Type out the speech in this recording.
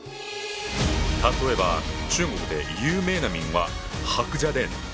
例えば中国で有名な民話「白蛇伝」。